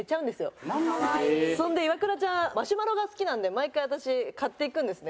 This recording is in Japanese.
そんでイワクラちゃんマシュマロが好きなんで毎回私買っていくんですね。